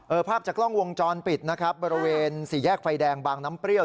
ภาพจากกล้องวงจรปิดนะครับบริเวณสี่แยกไฟแดงบางน้ำเปรี้ยว